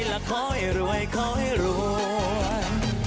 และขอให้รวยขอให้รวย